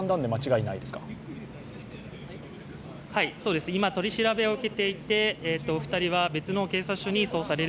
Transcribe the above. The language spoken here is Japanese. はい、今、取り調べを受けていて、２人は別の警察署に移される